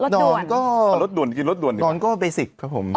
นอนก็นอนก็เบสิกครับผม